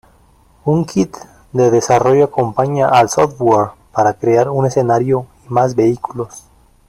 Un kit de desarrollo acompaña al software para crear escenarios y más vehículos.